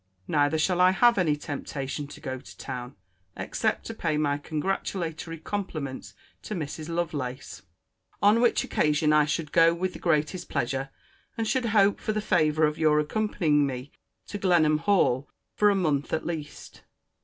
Neither shall I have any temptation to go to town, except to pay my congratulatory compliments to Mrs. Lovelace. On which occasion I should go with the greatest pleasure; and should hope for the favour of your accompanying me to Glenham hall, for a month at least.